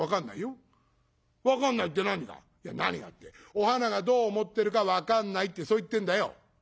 お花がどう思ってるか分かんないってそう言ってんだよ」。